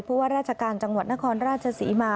เพราะว่าราชการจังหวัดนครราชศรีมา